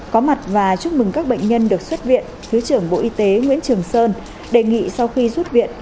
có mặt và chúc mừng các bệnh nhân được xuất viện thứ trưởng bộ y tế nguyễn trường sơn đề nghị sau khi xuất viện